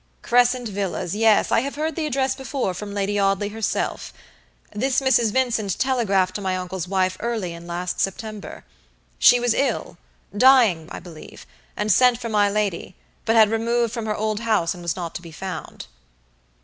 "Crescent Villasyes, I have heard the address before from Lady Audley herself. This Mrs. Vincent telegraphed to my uncle's wife early in last September. She was illdying, I believeand sent for my lady; but had removed from her old house and was not to be found."